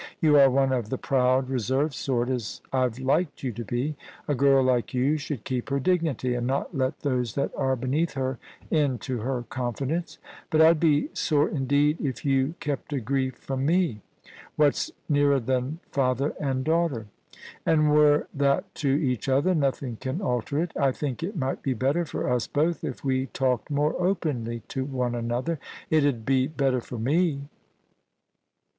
You are one of the proud, reserved sort, as I've liked you to be. A girl like you should keep her dignity, and not let those that are beneath her into her confidence. But I'd be sore indeed if you kept a grief from me. What's nearer than father and daughter ? And we're that to each other ; nothing can alter it I think it might be better for us both if we talked more openly to one another ; it 'ud be better for me.